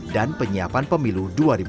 dan penyiapan pemilu dua ribu dua puluh empat